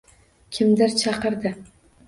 Kimnidir chaqirdi